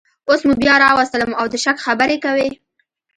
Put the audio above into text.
اوس مو بیا راوستلم او د شک خبرې کوئ